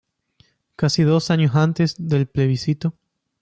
Casi dos años antes del plebiscito.